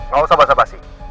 gak usah basah basih